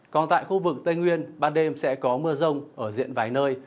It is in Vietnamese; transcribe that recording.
còn tại khu vực tây nguyên ban đêm sẽ có mưa rông ở diện vài nơi